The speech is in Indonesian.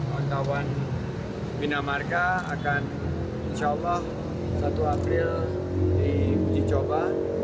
wartawan bina marka akan insya allah satu april di uji coba